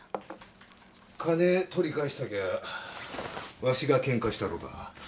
金取り返したきゃわしが喧嘩したろうか？